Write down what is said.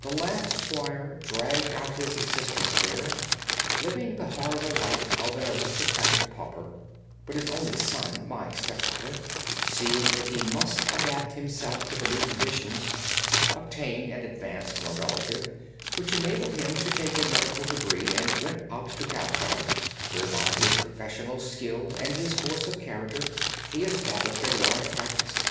The last squire dragged out his existence there, living the horrible life of an aristocratic pauper; but his only son, my stepfather, seeing that he must adapt himself to the new conditions, obtained an advance from a relative, which enabled him to take a medical degree and went out to Calcutta, where, by his professional skill and his force of character, he established a large practice.